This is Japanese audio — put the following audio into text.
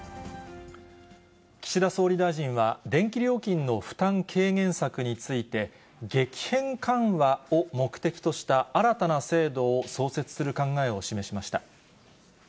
岸田総理大臣は、電気料金の負担軽減策について、激変緩和を目的とした新たな制度を創設する考えを示しました。